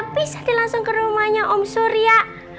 bisa langsung ke rumahnya om surya